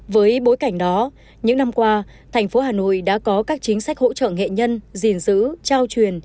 với bối cảnh đó những năm qua thành phố hà nội đã có các chính sách hỗ trợ nghệ nhân gìn giữ trao truyền